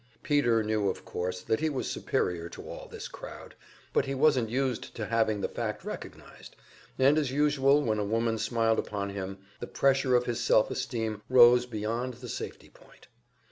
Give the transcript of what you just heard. Peter knew, of course, that he was superior to all this crowd, but he wasn't used to having the fact recognized, and as usual when a woman smiled upon him, the pressure of his self esteem rose beyond the safety point.